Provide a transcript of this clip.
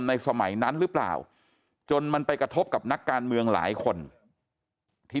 สมัยนั้นหรือเปล่าจนมันไปกระทบกับนักการเมืองหลายคนที่